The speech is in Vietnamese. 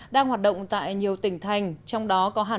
đang hoạt động tại nhiều tỉnh thành trong đó có hà nội